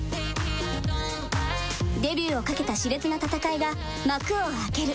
デビューをかけた熾烈な戦いが幕を開ける。